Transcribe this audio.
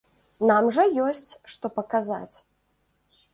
Нам жа ёсць, што паказаць!